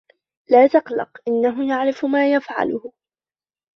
لا تقلق. إنهُ يعرف ما يفعلهُ.